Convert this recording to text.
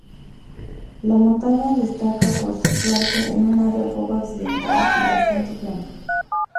La montaña destaca por situarse en un área poco accidentada y bastante plana.